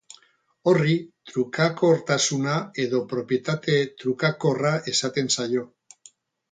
Horri trukakortasuna edo propietate trukakorra esaten zaio.